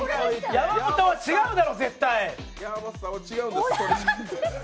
山本は違うだろ、絶対！！